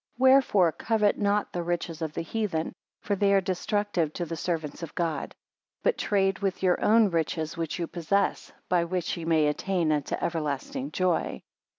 Wherefore covet not the riches of the heathen; for they are destructive to the servants of God. 10 But trade with your own riches which you possess, by which ye may attain unto everlasting joy.